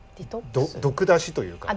毒出しというか。